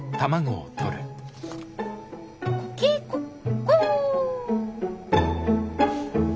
コケコッコー！